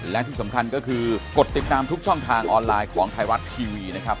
และที่สำคัญก็คือกดติดตามทุกช่องทางออนไลน์ของไทยรัฐทีวีนะครับ